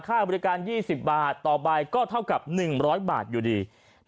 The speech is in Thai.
ค่าบริการ๒๐บาทต่อใบก็เท่ากับ๑๐๐บาทอยู่ดี